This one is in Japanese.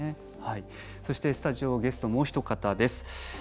そして、スタジオゲストもうひと方です。